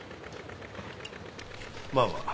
まあまあ。